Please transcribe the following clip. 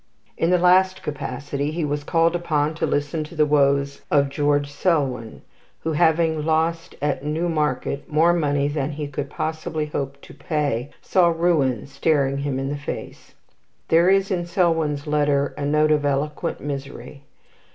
In the last capacity he was called upon to listen to the woes of George Selwyn, who, having lost at Newmarket more money than he could possibly hope to pay, saw ruin staring him in the face. There is in Selwyn's letter a note of eloquent misery.